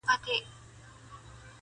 یو چا سپی ښخ کړئ دئ په هدیره کي.